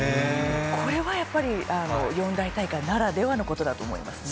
これはやっぱり四大大会ならではのことだと思いますね。